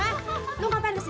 matanya udah mau keluar